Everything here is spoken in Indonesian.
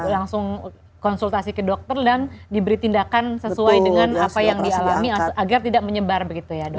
langsung konsultasi ke dokter dan diberi tindakan sesuai dengan apa yang dialami agar tidak menyebar begitu ya dok